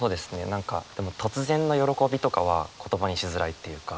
何かでも突然の喜びとかは言葉にしづらいっていうか。